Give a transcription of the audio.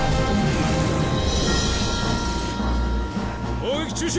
砲撃中止！